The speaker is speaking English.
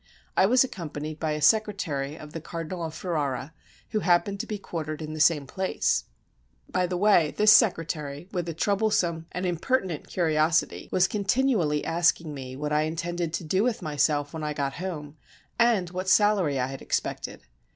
I was accompanied by a secretary of the Cardinal of Ferrara, who happened to be quartered in the same place. By the way, this secretary, with a troublesome and imper 230 KING FRANCIS I AND THE GOLDSMITH tinent curiosity, was continually asking me what I in tended to do with myself when I got home, and what salary I had expected.